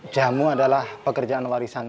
jamu adalah pekerjaan warisan